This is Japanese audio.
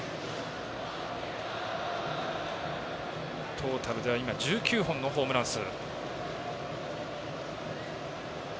トータルでは今１９本のホームラン数。